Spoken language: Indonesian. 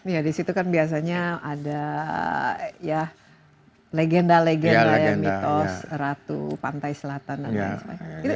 ya di situ kan biasanya ada ya legenda legenda ya mitos ratu pantai selatan dan lain sebagainya